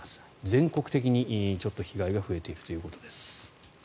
全国的にちょっと被害が増えているということです。